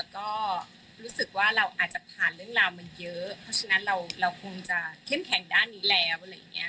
ก็รู้สึกว่าเราอาจจะผ่านเรื่องราวมาเยอะเพราะฉะนั้นเราคงจะเข้มแข็งด้านนี้แล้วอะไรอย่างนี้